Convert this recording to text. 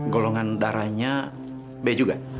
golongan darahnya b juga